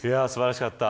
素晴らしかった。